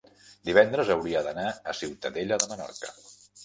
Divendres hauria d'anar a Ciutadella de Menorca.